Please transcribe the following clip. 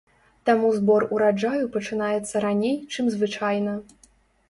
Таму збор ураджаю пачынаецца раней, чым звычайна.